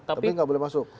tapi tidak boleh masuk